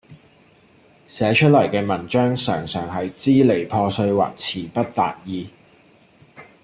寫出嚟嘅文章常常係支離破碎或辭不達意